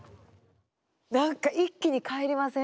何か一気に返りません？